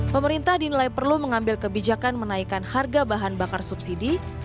pemerintah dinilai perlu mengambil kebijakan menaikkan harga bahan bakar subsidi